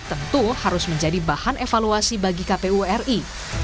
tentu harus menjadi bahan evaluasi bagi kpu ri